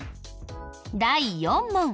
第４問。